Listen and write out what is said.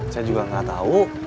saya juga gak tahu